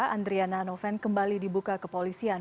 andriana noven kembali dibuka ke polisian